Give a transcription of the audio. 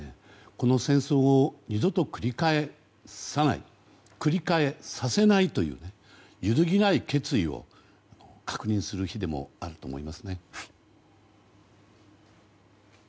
この戦争を二度と繰り返さない繰り返させないという揺るぎない決意を確認する日でもあると思います。